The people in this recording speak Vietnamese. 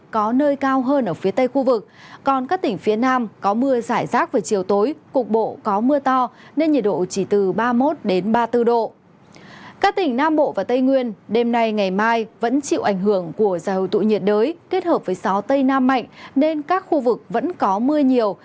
các tỉnh nam bộ và tây nguyên đêm nay ngày mai vẫn chịu ảnh hưởng của giải hội tụ nhiệt đới kết hợp với gió tây nam mạnh nên các khu vực vẫn có mưa nhiều